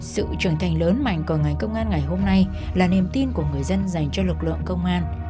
sự trưởng thành lớn mạnh của ngành công an ngày hôm nay là niềm tin của người dân dành cho lực lượng công an